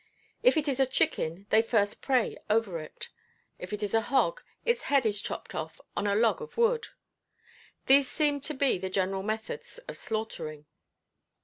If it is a chicken they first pray over it. If it is a hog, its head is chopped off on a log of wood. These seemed to be the general methods of slaughtering.